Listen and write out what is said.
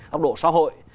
góc độ xã hội